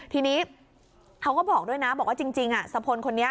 ทีนี้เขาก็บอกด้วยนะบอกว่าจริงสะพลคนนี้